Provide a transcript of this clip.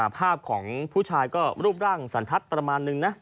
ภาพของผู้ชายก็รูปร่างสันทัศน์ประมาณนึงนะ